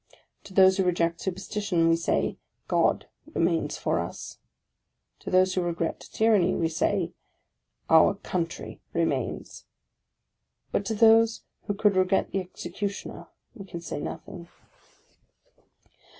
To those who regret Superstition, we say, " GOD remains for us !" To those who regret Tyranny, we say, " OUR COUNTRY remains!" But to those who could regret the Executioner we can say nothing.